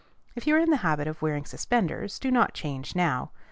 If you are in the habit of wearing suspenders, do not change now.